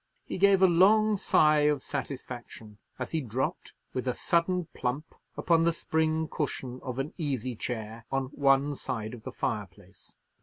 He gave a long sigh of satisfaction as he dropped with a sudden plump upon the spring cushion of an easy chair on one side of the fireplace.